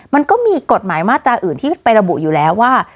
มันก็มีกฎหมายมาตราอื่นที่ไประบุอยู่แล้วว่า